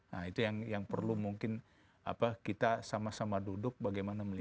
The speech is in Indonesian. nah itu yang perlu mungkin kita sama sama duduk bagaimana melihat